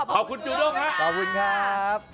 ขอบคุณจูโด่งครับ